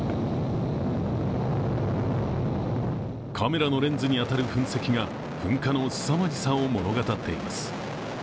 カメラのレンズに当たる噴石が噴火のすさまじさを物語っています。